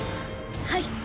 はい！